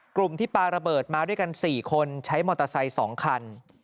กลุ่มที่ปลาระเบิดมาด้วยกัน๔คนใช้มอเตอร์ไซค์๒คัน